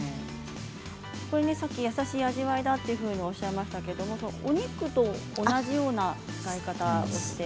さっき優しい味わいだとおっしゃいましたけどお肉と同じような使い方をして。